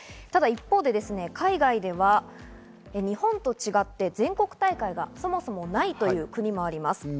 ただ一方で海外では日本と違って全国大会がそもそもないという国もあります。